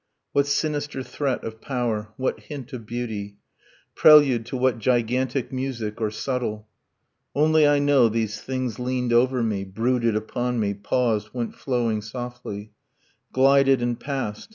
What sinister threat of power? What hint of beauty? Prelude to what gigantic music, or subtle? Only I know these things leaned over me, Brooded upon me, paused, went flowing softly, Glided and passed.